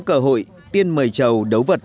cờ hội tiên mầy trầu đấu vật